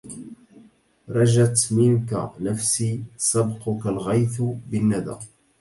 رجت منك نفسي سبقك الغيث بالندى